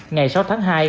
ngày sáu tháng hai